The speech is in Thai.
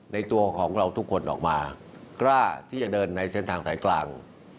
ตัวของเราทุกคนออกมากล้าที่จะเดินในเส้นทางสายกลาง